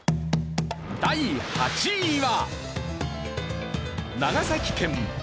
第８位は。